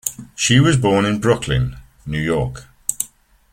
She was born in Brooklyn, New York.